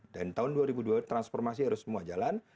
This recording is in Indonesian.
dan tahun dua ribu dua puluh dua transformasi harus semua jalan